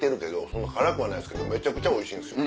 そんな辛くはないですけどめちゃくちゃおいしいんです。